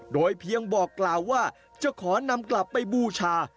โดยเพียงบอกกล่าวว่าจะขอนำกลับไปบูชา